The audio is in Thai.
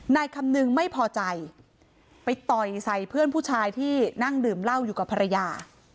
นายคำนึงไม่พอใจไปต่อยใส่เพื่อนผู้ชายที่นั่งดื่มเหล้าอยู่กับภรรยา